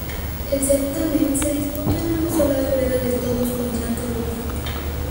El certamen se disputó en una sola rueda de todos contra todos.